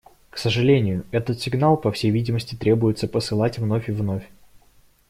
К сожалению, этот сигнал, по всей видимости, требуется посылать вновь и вновь.